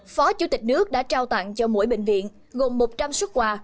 phó chủ tịch nước đã trao tặng cho mỗi bệnh viện gồm một trăm linh xuất quà